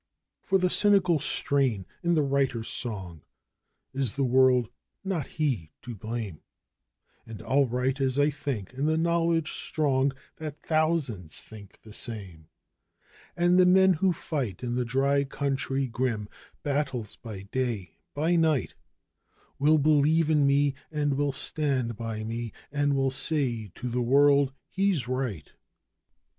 For the cynical strain in the writer's song is the world, not he, to blame, And I'll write as I think, in the knowledge strong that thousands think the same; And the men who fight in the Dry Country grim battles by day, by night, Will believe in me, and will stand by me, and will say to the world, "He's right!"